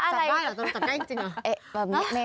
จัดได้หรือจัดได้จริงหรือ